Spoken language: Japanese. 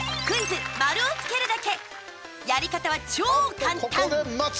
やり方は超簡単！